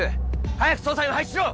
早く捜査員を配置しろ！